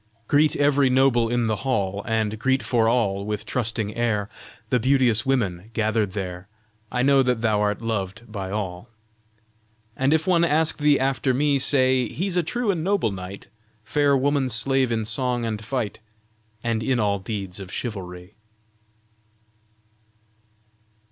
Greet every noble in the hall, And greet 'fore all, with trusting air, The beauteous women gathered there; I know that thou art loved by all. And if one ask thee after me, Say: he's a true and noble knight, Fair woman's slave in song and fight And in all deeds of chivalry.